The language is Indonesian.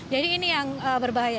jadi ini yang berbahaya